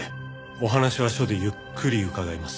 お話は署でゆっくり伺います。